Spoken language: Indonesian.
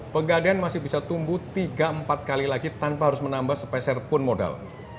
pegadaian masih bisa tumbuh tiga empat kali lagi tanpa harus menambah sepeser pun modal